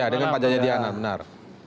ya dengan pak jayadi hanan benar